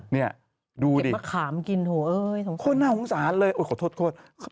เนี่ยดูดิเกลียดมะขามกินโอ้โฮน่าสงสารเลยโอ้ยขอโทษโคตร